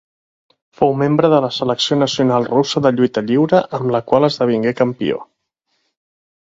Fou membre de la selecció nacional russa de lluita lliure, amb la qual esdevingué campió.